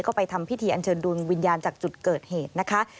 ก็ไปทำพิธีอันเชิญดวงวิญญาณจากจุดเกิดเหตุนะคะ